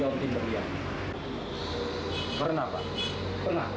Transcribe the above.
hontimberia pernah pernah